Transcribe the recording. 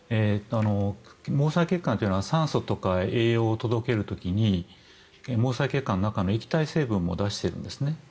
毛細血管というのは酸素とか栄養を届ける時に毛細血管の中の液体成分も出してるんですね。